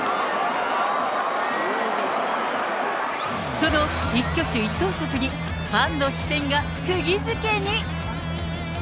その一挙手一投足にファンの視線がくぎづけに。